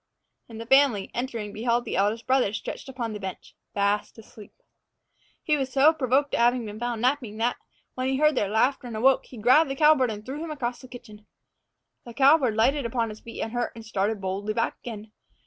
And the family, entering, beheld the eldest brother stretched upon the bench fast asleep. He was so provoked at having been found napping that, when he heard their laughter and awoke, he grabbed the cowbird and threw him across the kitchen. The cowbird lighted upon his feet unhurt, and started boldly back again.